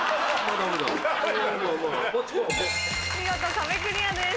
見事壁クリアです。